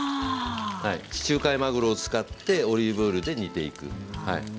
地中海マグロを使ってオリーブオイルで煮ていく。